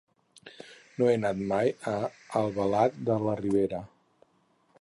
No he anat mai a Albalat de la Ribera.